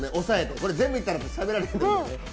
これ全部いったらしゃべられないんでね。